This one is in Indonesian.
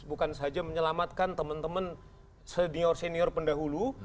bukan saja menyelamatkan teman teman senior senior pendahulu